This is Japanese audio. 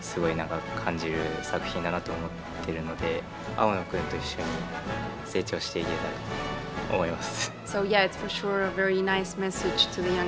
青野くんと一緒に成長していけたらと思います。